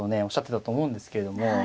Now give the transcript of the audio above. おっしゃってたと思うんですけれども。